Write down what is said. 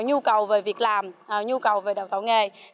nhu cầu về việc làm nhu cầu về đào tạo nghề